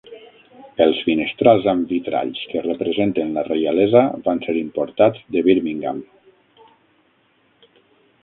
Els finestrals amb vitralls que representen la reialesa van ser importats de Birmingham.